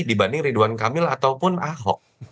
dibanding ridwan kamil ataupun ahok